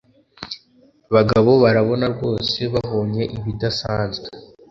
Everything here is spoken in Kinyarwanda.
bagabo barabona rwose babonye ibidasanzwe